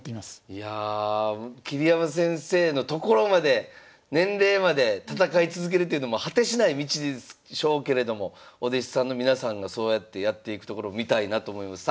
いや桐山先生のところまで年齢まで戦い続けるっていうのも果てしない道でしょうけれどもお弟子さんの皆さんがそうやってやっていくところを見たいなと思います。